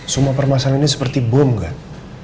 semua permasalahan ini seperti bom kan